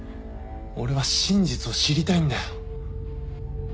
俺は真実を知りたいんだよ。